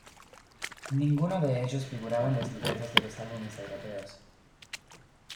Ninguno de ellos figuraba en los libretos de los álbumes europeos.